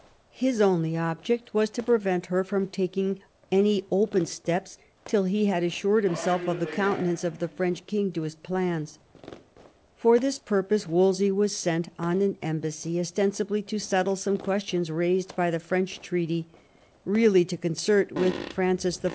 His only object was to prevent her from taking any open steps till he had assured himself of the countenance of the French king to his plans. For this purpose Wolsey was sent on an embassy, ostensibly to settle some questions raised by the French treaty, really to concert with Francis I.